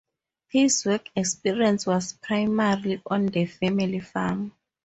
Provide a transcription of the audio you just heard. His work experience was primarily on the family farm.